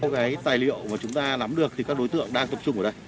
cái tài liệu mà chúng ta lắm được thì các đối tượng đang tập trung ở đây